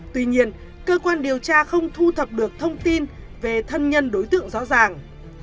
tuy nhiên cơ quan điều tra không thu thập được thông tin về thân nhân đối tượng rõ ràng